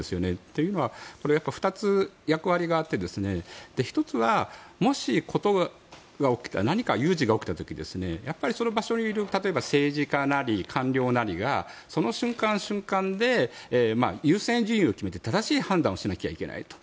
というのはこれ、２つ役割があって１つは、もし事が起きたら何か有事が起きた時その場所にいる例えば、政治家なり官僚なりがその瞬間瞬間で優先順位を決めて正しい判断をしなければいけないと。